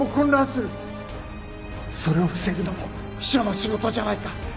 それを防ぐのも秘書の仕事じゃないか。